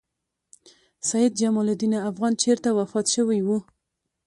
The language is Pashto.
سیدجمال الدین افغان چېرته وفات شوی و؟